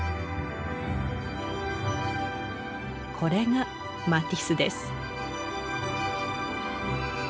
これがマティスです。